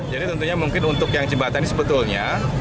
tentunya mungkin untuk yang jembatan ini sebetulnya